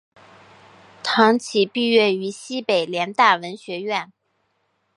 唐祈毕业于西北联大文学院。